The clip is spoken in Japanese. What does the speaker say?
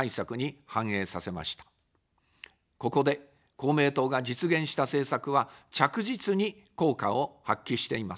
ここで公明党が実現した政策は、着実に効果を発揮しています。